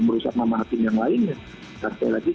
merusak nama hakim yang lainnya